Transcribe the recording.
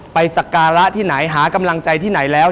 สการะที่ไหนหากำลังใจที่ไหนแล้ว